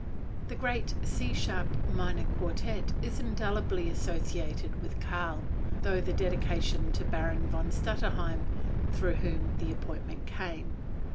The great C sharp minor Quartet is indelibly associated with Karl, through its dedication to Baron von Stutterheim, through whom the appointment came.